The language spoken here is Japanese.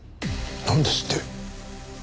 なんですって？